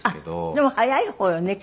あっでも早い方よね？